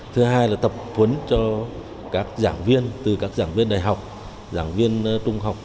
thứ hai là tập huấn cho các giảng viên từ các giảng viên đại học giảng viên trung học